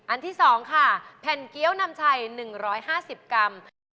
อันที่สองค่ะแผ่นเกี้ยวนำชัยหนึ่งร้อยห้าสิบกรัม